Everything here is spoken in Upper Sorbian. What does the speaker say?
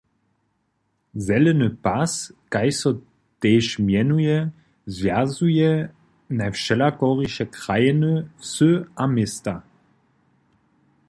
"Zeleny pas", kaž so tež mjenuje, zwjazuje najwšelakoriše krajiny, wsy a města.